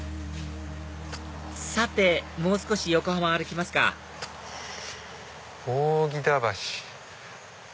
さてもう少し横浜歩きますか「おうぎだばし」。